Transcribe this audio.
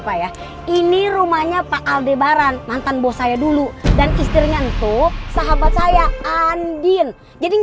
pak ya ini rumahnya pak aldebaran mantan bos saya dulu dan istrinya ento sahabat saya andin jadi